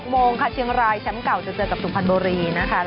โมงค่ะเชียงรายแชมป์เก่าจะเจอกับสุพรรณบุรีนะคะ